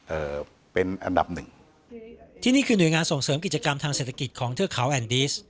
เอ่อเป็นอันดับหนึ่งที่นี่คือหน่วยงานส่งเสริมกิจกรรมทางเศรษฐกิจของเทือกเขาแอนดิส